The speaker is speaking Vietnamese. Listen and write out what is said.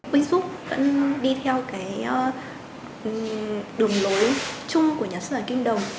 wing book vẫn đi theo cái đường lối chung của nhà xuất bản kim đồng